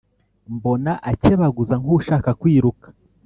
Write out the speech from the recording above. Mbona akebaguza, nk’ushaka kwiruka